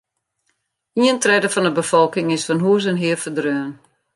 Ien tredde fan de befolking is fan hûs en hear ferdreaun.